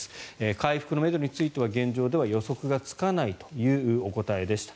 回復のめどについては現状では予測がつかないという答えでした。